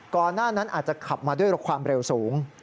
ก่อนหน้านั้นอาจจะขับมาด้วยความเร็วสูง